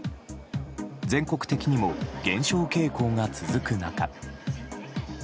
全国的にも減少傾向が続く中。